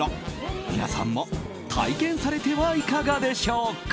皆さんも体験されてはいかがでしょうか。